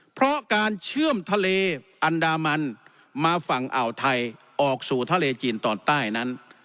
เพราะการเชื่อมทะเลอันดามันมาฝั่งอ่าวไทยออกสู่ทะเลจีนตอนใต้นั้น